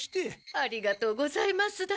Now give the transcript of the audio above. ありがとうございますだ。